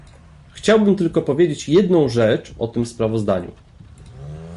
Chciałbym tylko powiedzieć jedną rzecz o tym sprawozdaniu